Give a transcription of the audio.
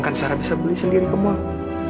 kan sarah bisa beli sendiri kemau